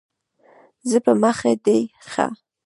ځه په مخه دي ښه !